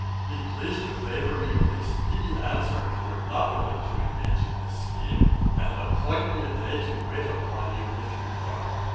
'Be pleased to favour me with a speedy answer, if you are not willing to engage in this scheme; and appoint me a day to wait upon you, if you are.